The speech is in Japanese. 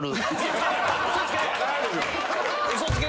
嘘つけ！